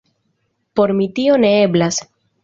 Por mi tio ne eblas.